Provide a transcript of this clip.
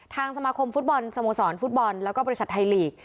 ทางสมาคมฟุตบอลสโมงศรฟุตบอลและบริษัทไทยหลีก